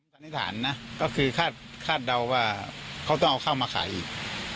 สันนิษฐานนะก็คือคาดเดาว่าเขาต้องเอาข้าวมาขายอีก